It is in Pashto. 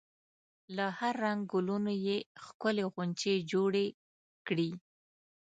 له هر رنګ ګلونو یې ښکلې غونچې جوړې کړي.